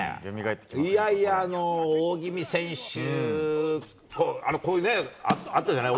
いやいや、おおぎみ選手、こういうね、あったじゃない？